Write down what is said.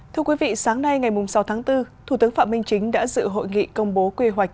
thưa quý vị sáng nay ngày sáu tháng bốn thủ tướng phạm minh chính đã dự hội nghị công bố quy hoạch